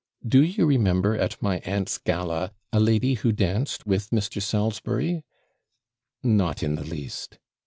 Do you remember, at my aunt's gala, a lady who danced with Mr. Salisbury?' 'Not in the least.'